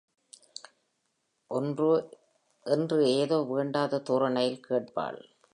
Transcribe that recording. என்று ஏதோ வேண்டாத தோரணையில் கேட்பாள்.